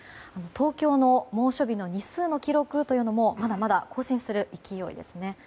東京の猛暑日の日数の記録もまだまだ更新する勢いですね。